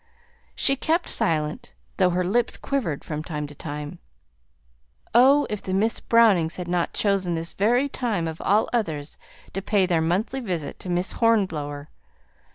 She kept silence, though her lips quivered from time to time. Oh, if Miss Brownings had not chosen this very time of all others to pay their monthly visit to Miss Hornblower!